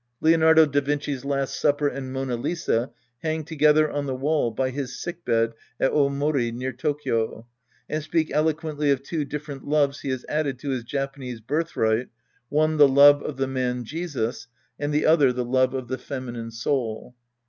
Leonardo da Vinci's " Last Supper " and " Mona Lisa " hang together on the wall by his sickbed at Omori near Tokyo and speak eloquently of two different loves he has added to his Japanese birthright, one the love of the man Jesus and the other the love of the feminine soul.